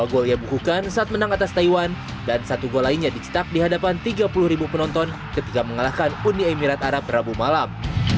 dua gol ia bukukan saat menang atas taiwan dan satu gol lainnya dicetak di hadapan tiga puluh ribu penonton ketika mengalahkan uni emirat arab rabu malam